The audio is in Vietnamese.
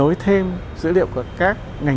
yêu cầu quan trọng này